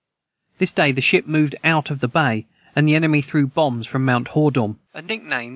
This day the Ship moved out of the Bay and the Enemy threw Bombs from mount Hoordom but did no Damage.